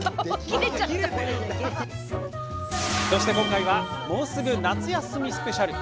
そして、今回は「もうすぐ夏休みスペシャル」。